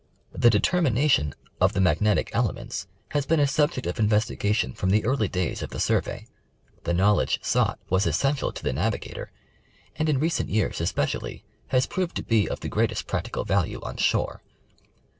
The determination of the magnetic elements has been a sub ject of investigation from the early days of the survey ; the knowledge sought was essential to the navigator, and in recent years, especially, has proved to be of the greatest practical value on shore.